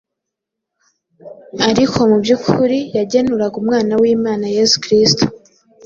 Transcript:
Ariko mu by‟ukuri yagenuraga umwana w‟Imana Yezu Kristu